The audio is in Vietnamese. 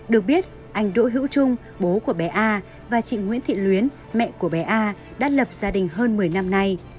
được biết anh đỗ hữu trung bố của bé a và chị nguyễn thị luyến mẹ của bé a đã lập gia đình hơn một mươi năm nay